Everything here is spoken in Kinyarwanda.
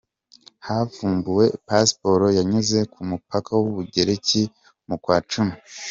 Havumbuwe Pasiporo yanyuze ku mupaka w’Ubugereki mu kwa Cumi .